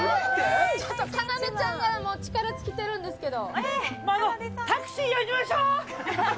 ちょっとかなでちゃんが力尽きているんですけど。